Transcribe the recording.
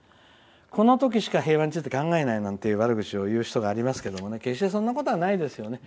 この時しか平和について考えないなんて悪口を言う人がありますけれども決してそんなことはないですよね。